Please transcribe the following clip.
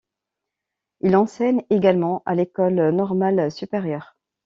Il enseigne également à l'École Normale Supérieure.